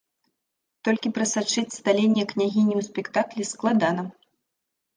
Толькі прасачыць сталенне княгіні ў спектаклі складана.